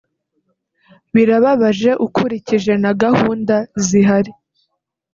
Birababaje ukurikije na gahunda zihari